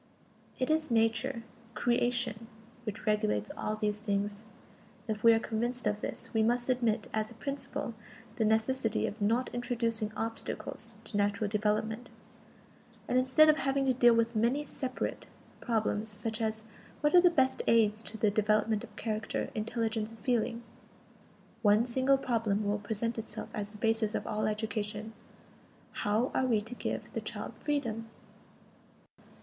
It is Nature, "creation," which regulates all these things. If we are convinced of this, we must admit as a principle the necessity of "not introducing obstacles to natural development"; and instead of having to deal with many separate problems such as, what are the best aids to the development of character, intelligence and feeling? one single problem will present itself as the basis of all education: How are we to give the child freedom?